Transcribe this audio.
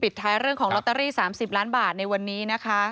ท้ายเรื่องของลอตเตอรี่๓๐ล้านบาทในวันนี้นะคะ